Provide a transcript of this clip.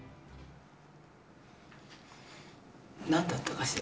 なんだったかしら？